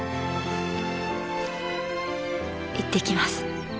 行ってきます。